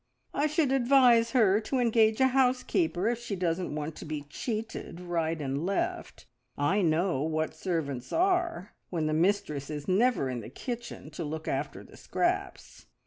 I should advise her to engage a housekeeper if she doesn't want to be cheated right and left. I know what servants are when the mistress is never in the kitchen to look after the scraps.